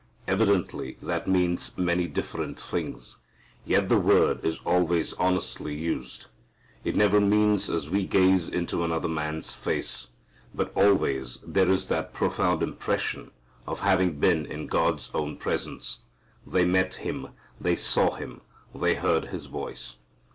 Evidently that means many different things, yet the word is always honestly used. It never means as we gaze into another man's face. But always there is that profound impression of having been in God's own presence. They met Him. They saw Him. They heard His voice.